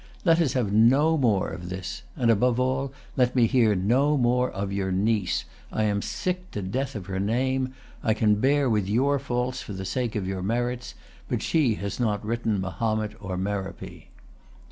Let us have no more of this. And, above all, let me hear no more of your niece. I am sick to death of her name. I can bear with your faults for the sake of your merits; but she has not written Mahomet or Merope."